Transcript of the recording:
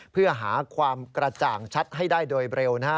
เพื่อหาความกระจ่างชัดให้ได้โดยเร็วนะฮะ